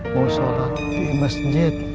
mau sholat di masjid